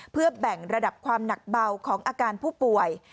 เพื่อแบ่งระดับความหนักเบาของอาการผู้ป่วย